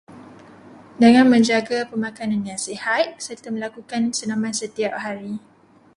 Dengan menjaga pemakanan yang sihat serta melakukan senaman setiap hari.